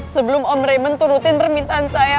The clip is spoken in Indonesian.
sebelum om rayment turutin permintaan saya